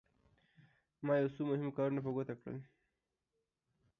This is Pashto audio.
ما یو څو مهم کارونه په ګوته کړل.